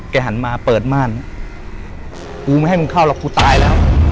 หันมาเปิดม่านกูไม่ให้มึงเข้าหรอกกูตายแล้ว